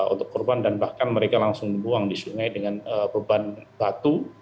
untuk korban dan bahkan mereka langsung buang di sungai dengan beban batu